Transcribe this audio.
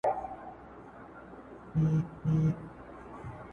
ځوان د سگريټو تسه کړې قطۍ وغورځول.